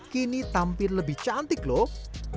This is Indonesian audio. kini tampil lebih cantik loh